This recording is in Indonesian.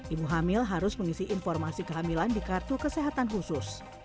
ibu hamil harus mengisi informasi kehamilan di kartu kesehatan khusus